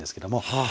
はい。